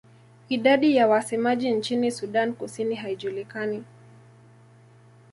Idadi ya wasemaji nchini Sudan Kusini haijulikani.